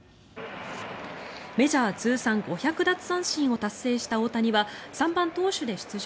メジャー通算５００奪三振を達成した大谷は３番投手で出場。